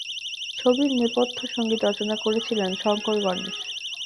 ছবির নেপথ্য সঙ্গীত রচনা করেছিলেন শঙ্কর গণেশ।